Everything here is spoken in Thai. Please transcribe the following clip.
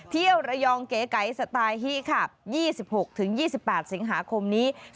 เที่ยวระยองเก๋ไก๋สไตล์ฮิค่ะ๒๖๒๘สิงหาคมนี้